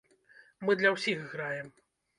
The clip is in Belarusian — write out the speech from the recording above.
Мы для ўсіх граем.